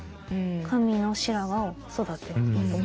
髪の白髪を育てるとか。